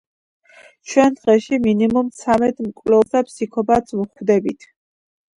ჩვენ დღეში მინიმუმ ცამეტ მკვლელს და ფსიქოპატს ვხვდებით